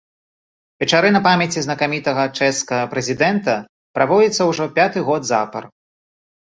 Вечарына памяці знакамітага чэшскага прэзідэнта праводзіцца ўжо пяты год запар.